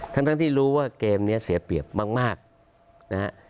ทำแต่ที่รู้ว่าเกมนี้เสียเปลียบมากนะครับ